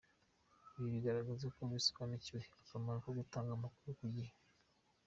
Ibi bigaragaza ko basobanukiwe akamaro ko gutanga amakuru ku gihe."